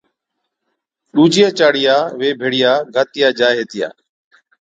ڏوجِيا چاڙيا وي ڀيڙِيا گاتِيا جائي ھِتيا